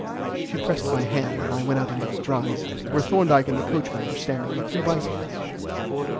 She pressed my hand, and I went out into the drive, where Thorndyke and the coachman were standing with three bicycles.